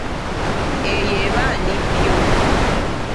Eyo eba ndippyo.